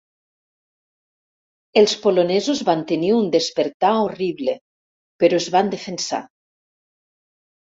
Els polonesos van tenir un despertar horrible, però es van defensar.